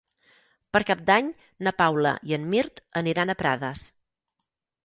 Per Cap d'Any na Paula i en Mirt aniran a Prades.